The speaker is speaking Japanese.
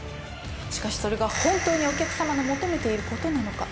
しかしそれが本当にお客様の求めている事なのか？